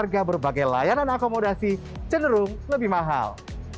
harga berbagai layanan akomodasi cenderung lebih mahal